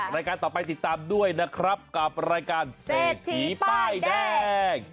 รายการต่อไปติดตามด้วยนะครับกับรายการเศรษฐีป้ายแดง